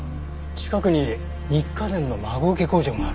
近くにニッカデンの孫請け工場がある。